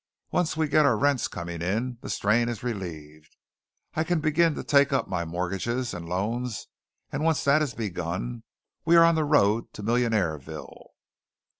Once we get our rents coming in, the strain is relieved. I can begin to take up my mortgages and loans, and once that is begun we are on the road to Millionaireville."